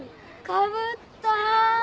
かぶった！